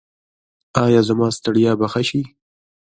ایا زما ستړیا به ښه شي؟